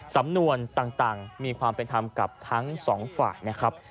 สำนวนต่างมีความเป็นธรรมกับทั้งสองฝ่ายนะครับ